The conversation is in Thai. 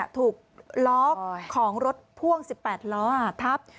ถูกล็อกของรถพ่วง๑๘ล้อทับ